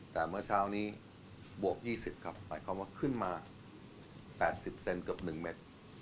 แต่เมื่อเช้านี้บวก๒๐ครับหมายความว่าขึ้นมา๘๐เซนเกือบ๑เมตร